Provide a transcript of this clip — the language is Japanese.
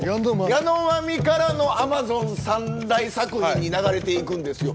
「ヤノマミ」からのアマゾン三大作品に流れていくんですよ。